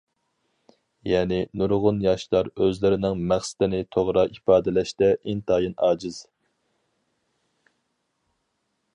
يەنى، نۇرغۇن ياشلار ئۆزلىرىنىڭ مەقسىتىنى توغرا ئىپادىلەشتە ئىنتايىن ئاجىز.